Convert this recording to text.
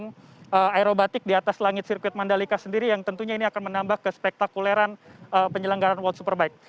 sejak pagi tadi untuk melakukan aerobatic di atas langit sirkuit mandalika sendiri yang tentunya ini akan menambah ke spektakuleran penyelenggaran world superbike